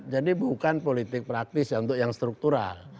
jadi bukan politik praktis untuk yang struktural